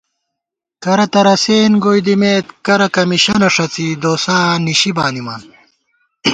کرہ تہ رَسېن گوئی دِمېت، کرہ کمیشېنہ ݭڅی دوسانِشی بانِمان